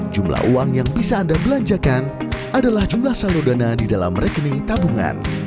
jumlah uang yang bisa anda belanjakan adalah jumlah saldona di dalam rekening tabungan